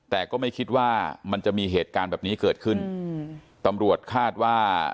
แต่ก็ไม่คิดว่ามันจะมีเหตุการณ์แบบนี้เกิดขึ้นอืมตำรวจคาดว่า